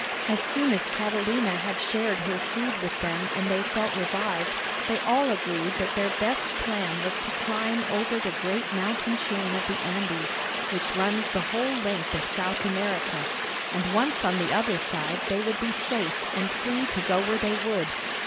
As soon as Catalina had shared her food with them and they felt revived, they all agreed that their best plan was to climb over the great mountain chain of the Andes, which runs the whole length of South America, and once on the other side they would be safe and free to go where they would.